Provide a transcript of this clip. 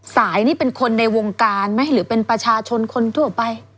สายนี่เป็นคนในวงการไหมหรือเป็นประชาชนคนทั่วไป